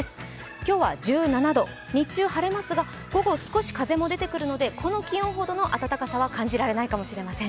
今日は１７度、日中晴れますが午後、少し風も出てくるのでこの気温ほどの暖かさは感じられないかもしれません。